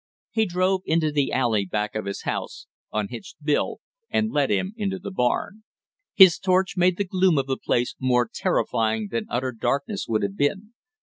He drove into the alley back of his house, unhitched Bill and led him into the barn. His torch made the gloom of the place more terrifying than utter darkness would have been.